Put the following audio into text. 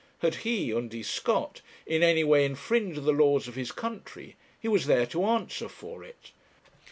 Had he' (Undy Scott) 'in any way infringed the laws of his country, he was there to answer for it.